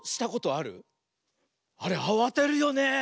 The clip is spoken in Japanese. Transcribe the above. あれあわてるよね。